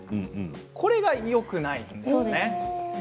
それが、よくないんですね。